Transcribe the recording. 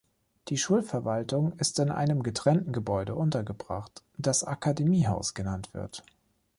Die Schulverwaltung ist in einem getrennten Gebäude untergebracht, das Akademiehaus genannt wird.